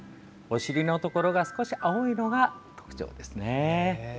お尻のところが少し青いのが特徴ですね。